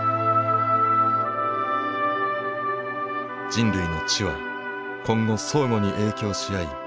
人類の知は今後相互に影響し合い